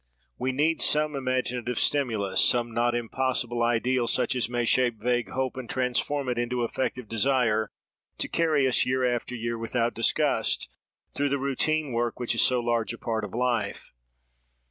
We need some imaginative stimulus, some not impossible ideal such as may shape vague hope, and transform it into effective desire, to carry us year after year, without disgust, through the routine work which is so large a part of life.